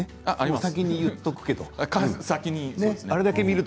先に言っておくけど。あります。